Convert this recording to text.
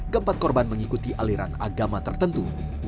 keempat korban mengikuti aliran agama tertentu